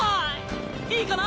いいかな？